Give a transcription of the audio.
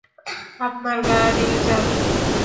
আপনার গাড়ির চাবি নিন।